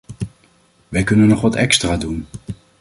Wij kunnen nog wat extra doen.